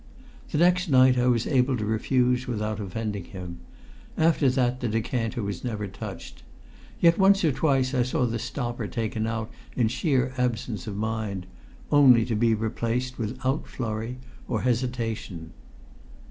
The next night I was able to refuse without offending him; after that the decanter was never touched. Yet once or twice I saw the stopper taken out in sheer absence of mind, only to be replaced without flurry or hesitation.